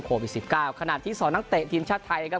โคลปีสิบเก้าขณะที่สรน้ำเตี้ยทีมชาติไทยนะครับ